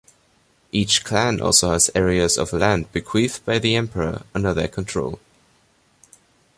Each clan also has areas of land bequeathed by the emperor under their control.